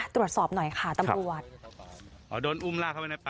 ตรวจสอบหน่อยค่ะตำรวจ